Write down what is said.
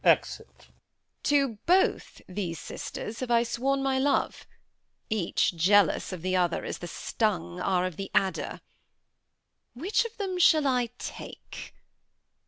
Exit. Edm. To both these sisters have I sworn my love; Each jealous of the other, as the stung Are of the adder. Which of them shall I take?